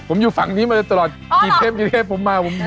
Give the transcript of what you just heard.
ผมอยู่ฝั่งนี้มาตลอดกี่เทปผมมาผมแดง